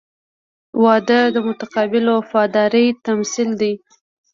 • واده د متقابل وفادارۍ تمثیل دی.